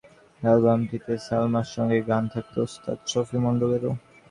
লালনের ভাবনগরে নামের অ্যালবামটিতে সালমার সঙ্গে গান থাকবে ওস্তাদ শফি মন্ডলেরও।